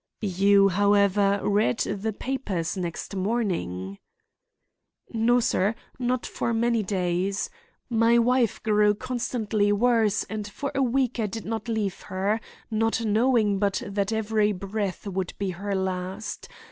"You, however, read the papers next morning?" "No, sir, nor for many days. My wife grew constantly worse and for a week I didn't leave her, not knowing but that every breath would be her last.